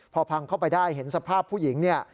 พอพังเข้าไปได้เห็นสภาพผู้หญิงเนี่ย